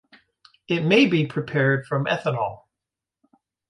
It may be prepared from ethanol.